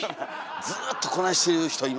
ずっとこないしてる人いますからね。